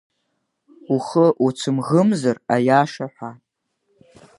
Ухы уцәымӷымзар аиаша ҳәа.